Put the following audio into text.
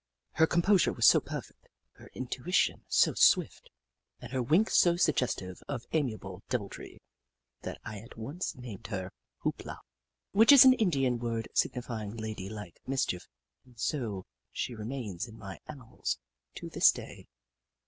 Her composure was so perfect, her intuition so swift, and her wink so suggestive of amiable deviltry, that I at once named her " Hoop La," which is an Indian word signifying lady like mischief, and so she remains in my annals to this day.